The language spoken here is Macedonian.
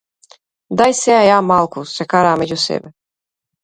Дај сеа ја малку, се караа меѓу себе.